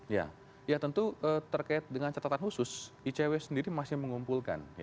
ya ya tentu terkait dengan catatan khusus icw sendiri masih mengumpulkan